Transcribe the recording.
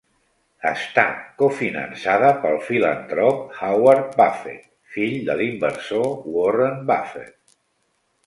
Està cofinançada pel filantrop Howard Buffett, fill de l'inversor Warren Buffett.